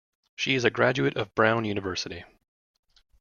She is a graduate of Brown University.